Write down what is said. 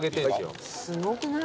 すごくない？